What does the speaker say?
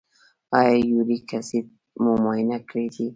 ایا یوریک اسید مو معاینه کړی دی؟